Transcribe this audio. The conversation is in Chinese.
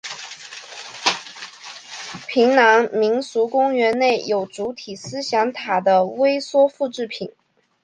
平壤民俗公园内有主体思想塔的微缩复制品。